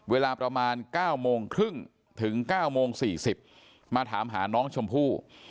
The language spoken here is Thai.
เวลาประมาณ๙โมงครึ่งถึง๙โมง๔๐มาถามหาน้องชมพู่